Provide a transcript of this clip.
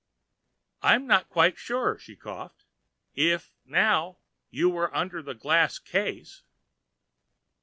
"I am not quite sure," she coughed. "If, now, you were under a glass case."